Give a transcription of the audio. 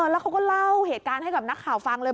แล้วเขาก็เล่าเหตุการณ์ให้กับนักข่าวฟังเลย